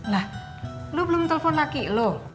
lah lu belum telepon lagi lu